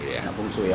anak bungsu ya